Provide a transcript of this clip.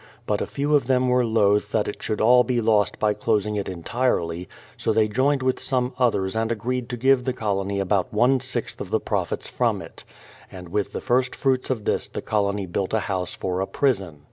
But a few of them were loth that it should all be lost by closing it entirely, so they joined with some others and agreed to give the colony about one sixth of the profits from it; and with the first fruits of this the colony built a house for a prison.